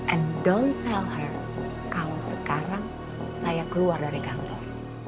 and don't tell her kalo sekarang saya keluar dari kantor